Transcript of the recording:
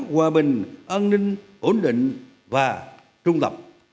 hòa bình an ninh ổn định và trung tập